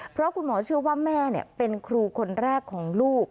เพราะคุณหมอเชื่อว่าแม่เป็นครูคนแรกของลูก